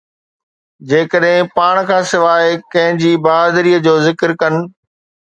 جيڪڏهن پاڻ کان سواءِ ڪنهن جي بهادريءَ جو ذڪر ڪن.